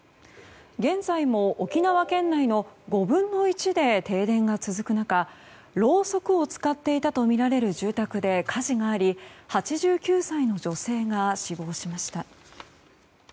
現在も沖縄県内の５分の１で停電が続く中ろうそくを使っていたとみられる住宅で火事があり８９歳の女性が死亡しました。